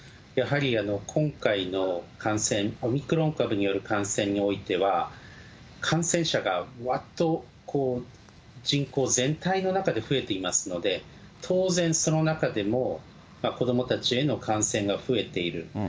やはり今回の感染、オミクロン株による感染においては、感染者がわっとこう、人口全体の中で増えていますので、当然、その中でも子どもたちへの感染が増えている。